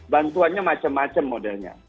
bantuannya macam macam modelnya